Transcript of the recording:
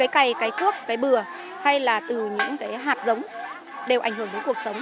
cái thuốc cái bừa hay là từ những hạt giống đều ảnh hưởng đến cuộc sống